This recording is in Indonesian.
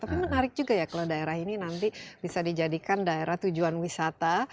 tapi menarik juga ya kalau daerah ini nanti bisa dijadikan daerah tujuan wisata